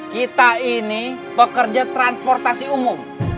kita ini pekerja transportasi umum